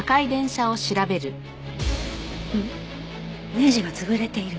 ネジが潰れている。